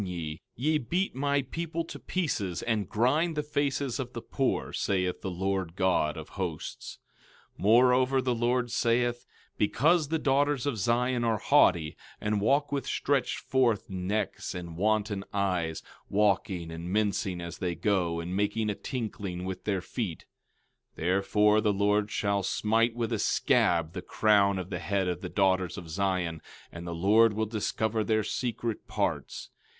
Ye beat my people to pieces, and grind the faces of the poor, saith the Lord God of Hosts. 13:16 Moreover, the Lord saith: Because the daughters of Zion are haughty, and walk with stretched forth necks and wanton eyes, walking and mincing as they go, and making a tinkling with their feet— 13:17 Therefore the Lord will smite with a scab the crown of the head of the daughters of Zion, and the Lord will discover their secret parts.